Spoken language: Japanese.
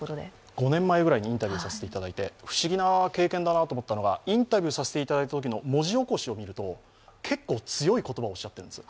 ５年前くらいにインタビューひせていただいて、不思議な経験だなと思うのはインタビューさせていただいたときの文字起こしを見ると結構強い言葉をおっしゃっているんですよ。